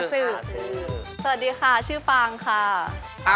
สวัสดีค่ะ